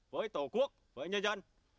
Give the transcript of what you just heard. với tổ quốc với nhà dân